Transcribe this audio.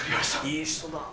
いい人だ。